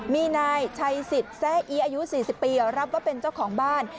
มีนายชัยสิทธิ์แซ่อีอายุ๔๐ปีรับว่าเป็นเจ้าของบ้าน